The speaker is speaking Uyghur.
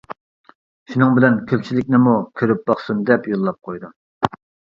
شۇنىڭ بىلەن كۆپچىلىكنىمۇ كۆرۈپ باقسۇن دەپ يوللاپ قويدۇم.